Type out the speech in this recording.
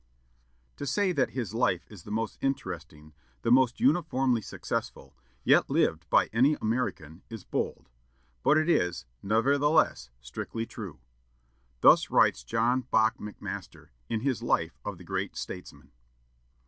"To say that his life is the most interesting, the most uniformly successful, yet lived by any American, is bold. But it is, nevertheless, strictly true." Thus writes John Bach McMaster, in his life of the great statesman.